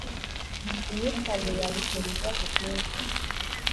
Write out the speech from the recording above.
imyitwarire yawe itera ibibazo byinshi